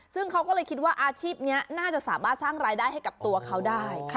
ซึ่งเขาก็เลยคิดว่าอาชีพนี้น่าจะสามารถสร้างรายได้ให้กับตัวเขาได้